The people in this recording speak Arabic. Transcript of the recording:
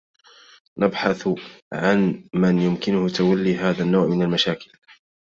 نبحث عن من يمكنه تولي هذا النوع من المشاكل.